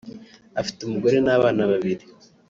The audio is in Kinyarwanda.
afite umugore n’abana babiri